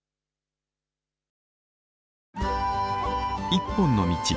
「一本の道」。